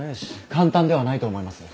簡単ではないと思います。